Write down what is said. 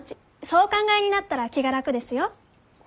そうお考えになったら気が楽ですよ。